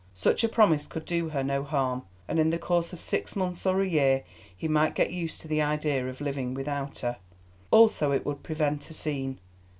Such a promise could do her no harm, and in the course of six months or a year he might get used to the idea of living without her. Also it would prevent a scene.